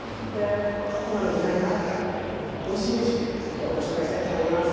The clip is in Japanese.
今の時代に合ったおいしいレシピを今日はご紹介したいと思います。